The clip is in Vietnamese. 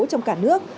trong cả nước